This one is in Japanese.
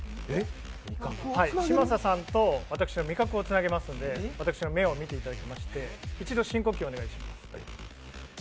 嶋佐さんと私の味覚をつなげますので私の目を見ていただきまして、一度、深呼吸をお願いします。